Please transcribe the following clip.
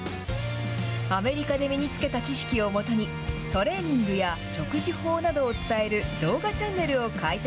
アメリカで身につけた知識を基に、トレーニングや食事法などを伝える動画チャンネルを開設。